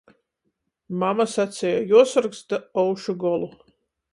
Mama saceja — juosorkst da aušu golu.